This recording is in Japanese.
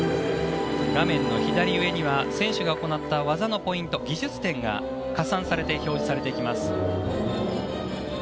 画面の左上には選手が行った技のポイント技術点が加算されて表示されていきます。